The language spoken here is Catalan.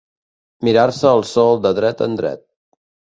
Mirar-se el sol de dret en dret.